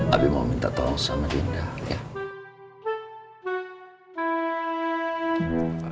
abie mau minta tolong sama dinda ya